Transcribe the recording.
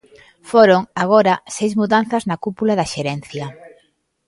Foron, agora, seis mudanzas na cúpula da xerencia.